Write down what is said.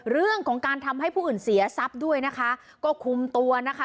เรื่องของการทำให้ผู้อื่นเสียทรัพย์ด้วยนะคะก็คุมตัวนะคะ